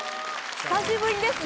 久しぶりですね